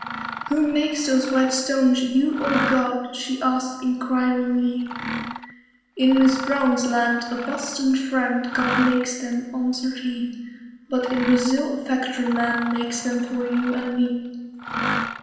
"Who makes those white stones, you or God?" She asked, inquiringly. "In Miss Brown's land [a Boston friend] God makes them," answered he. "But in Brazil a factory man Makes them for you and me."